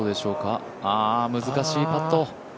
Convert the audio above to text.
あ、難しいパット。